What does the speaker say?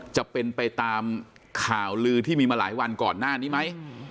จะเป็นไปตามข่าวลือที่มีมาหลายวันก่อนหน้านี้ไหม